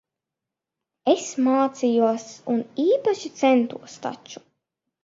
Es mācījos un īpaši centos taču.